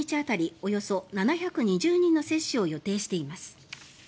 およそ７２０人の接種を予定しています。